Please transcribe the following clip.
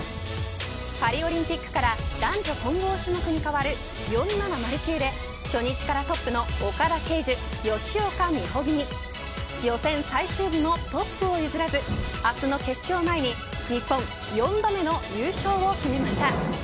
パリオリンピックから男女混合種目に変わる４７０級で初日からトップの岡田奎樹吉岡美帆組予選最終日もトップを譲らず明日の決勝を前に日本４度目の優勝を決めました。